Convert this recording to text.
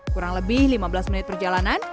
kurang lebih lima belas menit perjalanan